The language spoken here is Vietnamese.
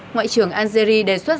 ngoại trưởng algeria đề xuất